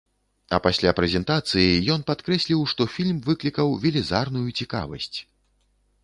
А пасля прэзентацыі ён падкрэсліў, што фільм выклікаў велізарную цікавасць.